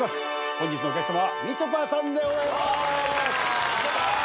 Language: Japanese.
本日のお客さまはみちょぱさんでございます。